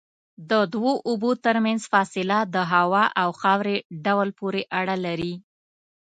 د دوو اوبو ترمنځ فاصله د هوا او خاورې ډول پورې اړه لري.